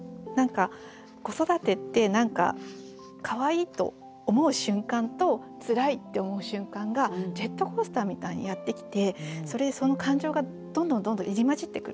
子育てって何かかわいいと思う瞬間とつらいって思う瞬間がジェットコースターみたいにやってきてそれでその感情がどんどんどんどん入り交じってくる。